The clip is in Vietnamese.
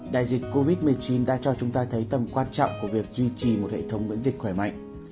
đại dịch covid một mươi chín đã cho chúng ta thấy tầm quan trọng của việc duy trì một hệ thống miễn dịch khỏe mạnh